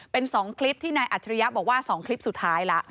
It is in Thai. เป็น๒คลิปที่นายอัจฉริยะบอกว่า๒คลิปสุดท้ายละ